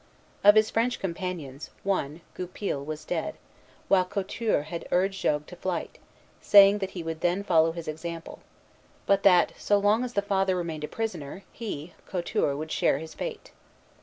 Of his French companions, one, Goupil, was dead; while Couture had urged Jogues to flight, saying that he would then follow his example, but that, so long as the Father remained a prisoner, he, Couture, would share his fate.